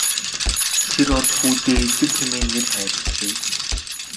Сэр-Од хүүдээ Идэр хэмээн нэр хайрлажээ.